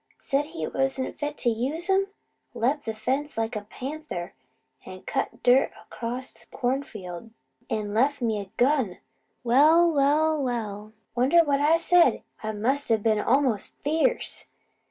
Said he wasn't fit to use 'em! Lept the fence like a panther, an' cut dirt across the corn field. An' left me the gun! Well! Well! Well! Wonder what I said? I must a been almost FIERCE."